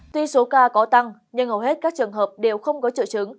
tuy số ca có tăng nhưng hầu hết các trường hợp đều không có triệu chứng